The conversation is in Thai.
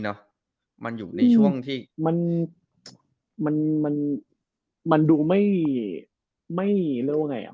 เนอะมันอยู่ในช่วงที่มันมันดูไม่ไม่เรียกว่าไงอ่ะ